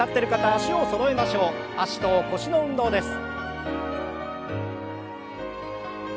脚と腰の運動です。